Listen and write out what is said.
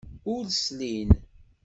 Ur slin.